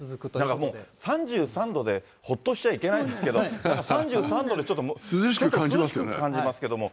だからもう、３３度でほっとしちゃいけないですけど、３３度でちょっと涼しく感じけれども。